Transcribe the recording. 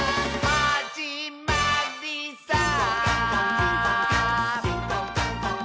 「はじまりさー」